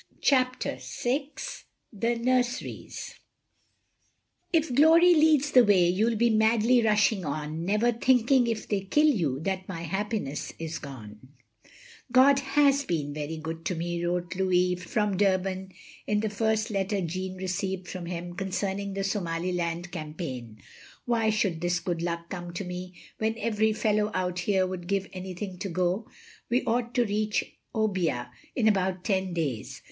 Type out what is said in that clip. CHAPTER VI THE NURSERIES •• —if glory leads the way You '11 be madly rushing on Never thinking if they kill you That my happiness is gonel " "God has been very good to me/' wrote Louis from Dtirban, in the first letter Jeanne received from him, concerning the Somaliland campaign. ''Why should this good luck come to me, when every fellow out here would give anything to got ... We ought to reach Obbia in about ten days.